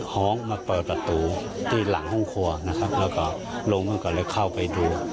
ห้องมาเปิดประตูที่หลังห้องครัวนะครับแล้วก็ลงมาก่อนเลยเข้าไปดู